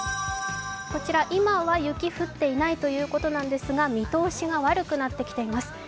こちら、今は雪が降っていないということなんですが見通しが悪くなってきています。